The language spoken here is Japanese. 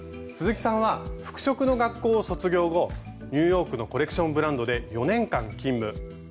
鈴木さんは服飾の学校を卒業後ニューヨークのコレクションブランドで４年間勤務。